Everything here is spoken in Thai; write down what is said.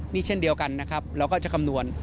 นี่เช่นเดียวกันนะครับเราก็จะคำนวณ